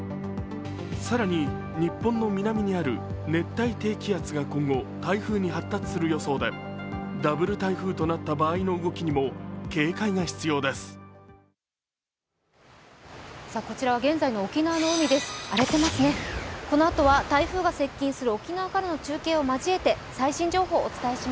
更に日本の南にある熱帯低気圧が今後、台風に発達する予想でダブル台風となった場合の動きにも警戒が必要です。